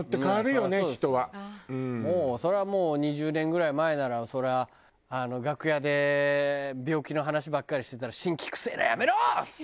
もうそれはもう２０年ぐらい前ならそれは楽屋で病気の話ばっかりしてたら「辛気臭えなやめろ！」っつって。